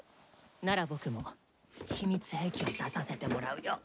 なら僕も秘密兵器を出させてもらうよ！